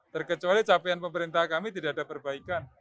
terkecuali capaian pemerintah kami tidak ada perbaikan